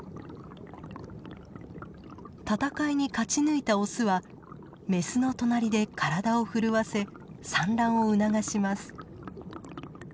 戦いに勝ち抜いたオスはメスの隣で体を震わせ産卵を促します。